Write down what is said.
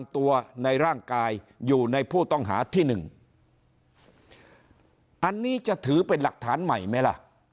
ที่หนึ่งอันนี้จะถือเป็นหลักฐานใหม่ไหมล่ะ